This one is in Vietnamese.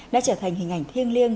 đã trở thành hình ảnh thiêng liêng